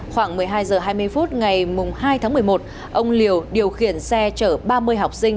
khoảng một mươi hai h hai mươi phút ngày hai tháng một mươi một ông liều điều khiển xe chở ba mươi học sinh